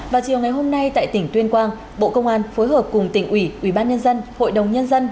vào chiều ngày hôm nay tại tỉnh tuyên quang bộ công an phối hợp cùng tỉnh ủy ubnd hội đồng nhân dân